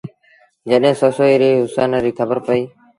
جڏهيݩ سسئيٚ ري هُسن ريٚ کبرپئيٚ۔